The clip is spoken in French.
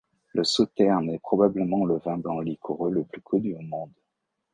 Le Sauternes est probablement le vin blanc liquoreux le plus connu au monde.